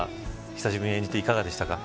久しぶりに演じていかがでしたか。